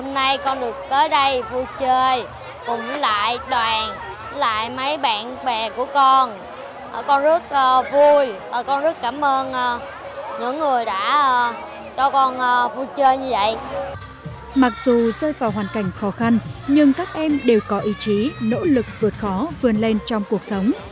mặc dù rơi vào hoàn cảnh khó khăn nhưng các em đều có ý chí nỗ lực vượt khó vươn lên trong cuộc sống